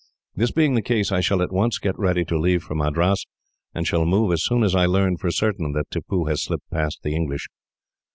This being the case, I shall at once get ready to leave for Madras, and shall move as soon as I learn, for certain, that Tippoo has slipped past the English.